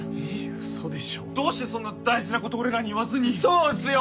ウソでしょどうしてそんな大事なこと俺らに言わずにそうっすよ